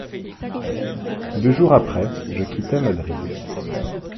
Deux jours après, je quittais Madrid.